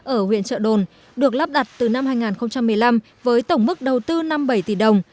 ở huyện trợ đồn được lắp đặt từ năm hai nghìn một mươi năm với tổng mức đầu tư năm bảy tỷ đồng